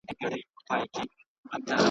که باران وي که ژلۍ، مېلمه غواړي ښه مړۍ